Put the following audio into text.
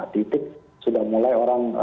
titik sudah mulai orang